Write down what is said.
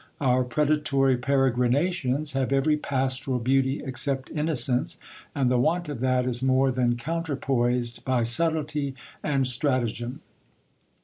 Our predatory peregrinations have every pastoral beauty except inno cence, and the want of that is more than counterpoised by subtlety and strata gem.